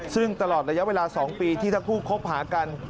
ซึ่งตลอดระยะเวลาสองปีที่ท่าผู้คบหากัน